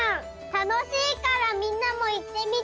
たのしいからみんなもいってみて！